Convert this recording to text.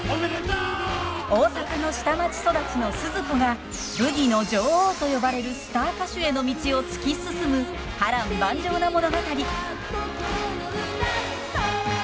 大阪の下町育ちのスズ子がブギの女王と呼ばれるスター歌手への道を突き進む波乱万丈な物語。へいっ！